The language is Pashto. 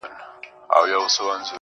دغه د کرکي او نفرت کليمه.